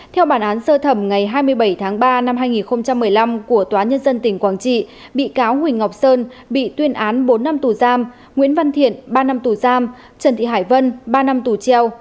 theo bản án sơ thẩm ngày hai mươi bảy tháng ba năm hai nghìn một mươi năm của tòa nhân dân tỉnh quảng trị bị cáo huỳnh ngọc sơn bị tuyên án bốn năm tù giam nguyễn văn thiện ba năm tù giam trần thị hải vân ba năm tù treo